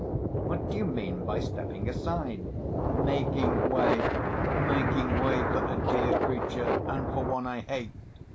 "What do you mean by 'stepping aside'?" "Making way. Making way for a dear creature, and for one I hate.